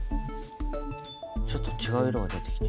ちょっと違う色が出てきた。